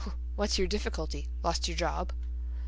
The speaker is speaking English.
"What's your difficulty? Lost your job?"